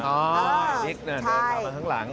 อ๋อไอฤกษ์เนี่ยเดินตามมาข้างหลังใช่